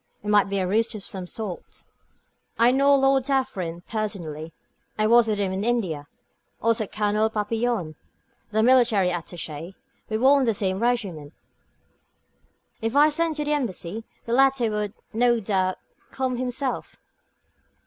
It might be a ruse of some sort. "I know Lord Dufferin personally; I was with him in India. Also Colonel Papillon, the military attaché; we were in the same regiment. If I sent to the Embassy, the latter would, no doubt, come himself."